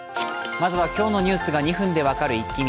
まずは今日のニュースが２分で分かるイッキ見。